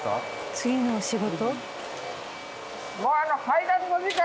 次のお仕事？